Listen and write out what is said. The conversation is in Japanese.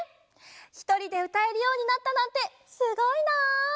ひとりでうたえるようになったなんてすごいなあ！